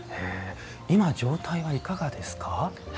今状態はいかがですか？